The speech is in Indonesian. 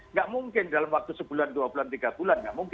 nggak mungkin dalam waktu sebulan dua bulan tiga bulan